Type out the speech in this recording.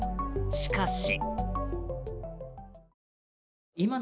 しかし。